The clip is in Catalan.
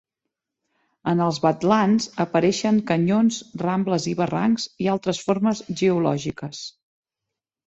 En els badlands apareixen canyons, rambles i barrancs i altres formes geològiques.